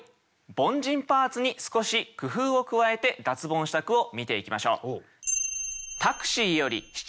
凡人パーツに少し工夫を加えて脱ボンした句を見ていきましょう。